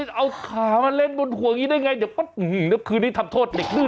โอ้โหเอาขามาเล่นบนหัวกี้ได้ไงเดี๋ยวป๊อบคืนนี้ทำโทษเด็กนื่อ